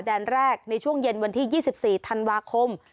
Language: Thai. แดนแรกในช่วงเย็นวันที่๒๔ธันวาคม